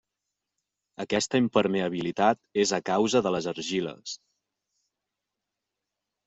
Aquesta impermeabilitat és a causa de les argiles.